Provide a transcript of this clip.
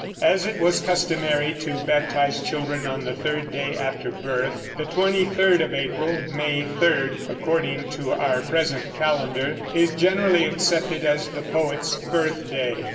As it was customary to baptize children on the third day after birth, the twenty third of April (May 3, according to our present calendar) is generally accepted as the poet's birthday.